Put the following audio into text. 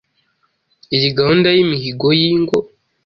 iyi gahunda y’imihigo y’ingo